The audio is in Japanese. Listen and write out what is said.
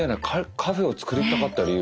カフェを造りたかった理由。